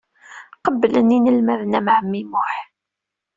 Qebblen inelmaden am ɛemmi Muḥ.